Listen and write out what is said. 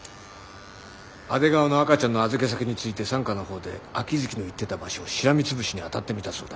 阿出川の赤ちゃんの預け先について三課のほうで秋月の言ってた場所をしらみつぶしに当たってみたそうだ。